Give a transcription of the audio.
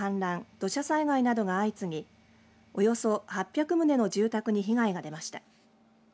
土砂災害などが相次ぎおよそ８００棟の住宅に被害が出ました。